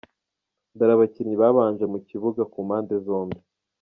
Dore abakinnyi babanje mu kibuga ku mpande zombi:.